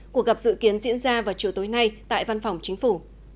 cuộc gặp dự kiến diễn ra vào chiều tối nay tại văn phòng chính phủ